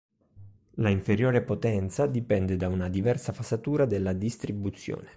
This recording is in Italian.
La inferiore potenza dipende da una diversa fasatura della distribuzione.